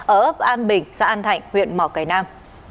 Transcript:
ở ấp an bình xã an thạnh huyện mỏ cải nam